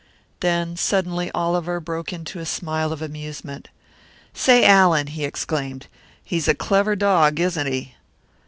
Then suddenly Oliver broke into a smile of amusement. "Say, Allan!" he exclaimed. "He's a clever dog, isn't he!"